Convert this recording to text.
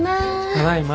ただいま。